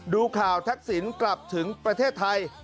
ดูข่าวทักษิณกลับถึงประเทศไทย